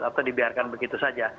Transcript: atau dibiarkan begitu saja